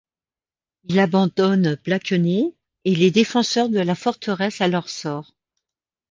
Il abandonne Blakeney et les défenseurs de la forteresse à leur sort.